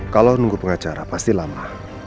kalau nunggu pengacara pasti lama